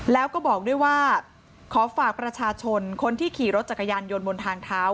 แล้วก็บอกด้วยว่าขอฝากประชาชนคนที่ขี่รถจักรยานยนต์บนทางเท้า